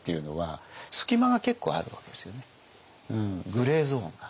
グレーゾーンが。